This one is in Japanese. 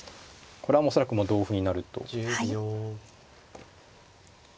これは恐らく同歩になると。